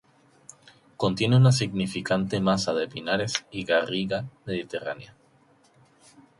Contiene una significante masa de pinares y garriga mediterránea.